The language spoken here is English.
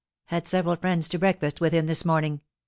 "Had several friends to breakfast with him this morning.